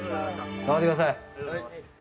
頑張ってください！